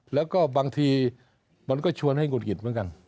แล้วก็บางทีมันก็ชวนให้หงุดหงิดเหมือนกัน